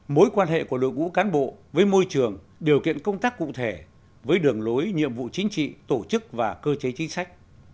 mối quan hệ của đội ngũ cán bộ với môi trường điều kiện công tác cụ thể với đường lối nhiệm vụ chính trị tổ chức và cơ chế chính sách